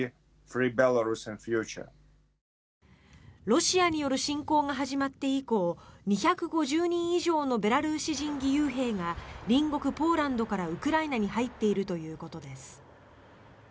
ロシアによる侵攻が始まって以降２５０人以上のベラルーシ人義勇兵が隣国ポーランドからウクライナに入っているということです。